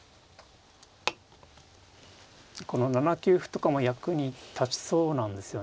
この７九歩とかも役に立ちそうなんですよね。